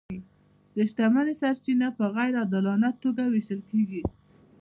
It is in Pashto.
د شتمنۍ سرچینې په غیر عادلانه توګه وېشل کیږي.